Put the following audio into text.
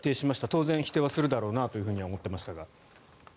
当然、否定はするだろうなとは思っていましたが。